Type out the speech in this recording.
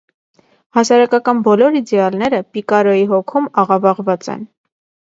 Հասարակական բոլոր իդեալները պիկարոյի հոգում աղավաղված են։